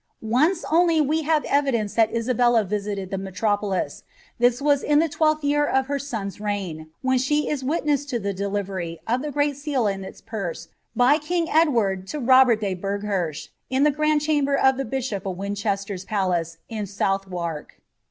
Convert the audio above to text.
Once only have we efiiience that Isabella visited the metropolis; this was in the twellUi • ir of Iier son's reign, when she is witness to the delivery, of the great i JD its purse, by king Edward to Robert de Burghersh, in the gnmd .jrnbcr of llie bishop of Winchester's palace in Southwark.